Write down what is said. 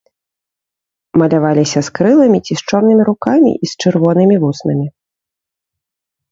Маляваліся з крыламі ці з чорнымі рукамі і з чырвонымі вуснамі.